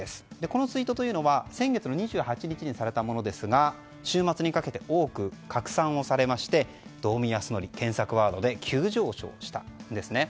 このツイートというのは先月の２８日にされたものですが週末にかけて多く拡散されまして道見やすのりネットで検索ワード急上昇したんですね。